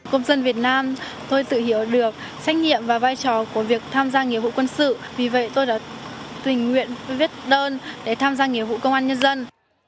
công dân việt nam tôi tự hiểu được trách nhiệm và vai trò của việc tham gia nghĩa vụ quân sự vì vậy tôi đã tình nguyện viết đơn để tham gia nghĩa vụ công an nhân dân